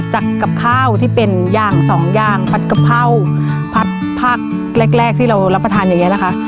กับข้าวที่เป็นอย่างสองอย่างผัดกะเพราผัดภาคแรกที่เรารับประทานอย่างนี้นะคะ